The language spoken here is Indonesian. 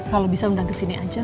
kalau bisa undang kesini aja